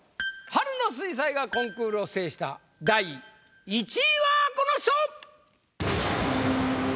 春の水彩画コンクールを制した第１位はこの人！